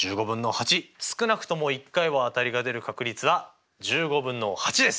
少なくとも１回は当たりが出る確率は１５分の８です！